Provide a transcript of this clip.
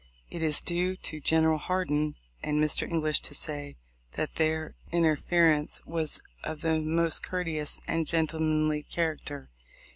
It is due to General Hardin and Mr. English to say that their interference was of the most courteous and gentlemanly character.